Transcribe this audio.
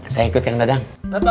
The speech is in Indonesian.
saya ikut kang dadang